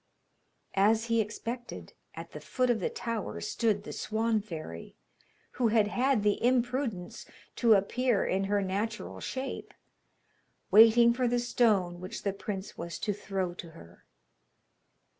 As he expected, at the foot of the tower stood the Swan fairy, who had had the imprudence to appear in her natural shape, waiting for the stone which the prince was to throw to her.